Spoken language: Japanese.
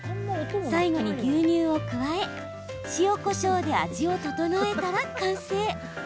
最後に牛乳を加え塩、こしょうで味を調えたら完成。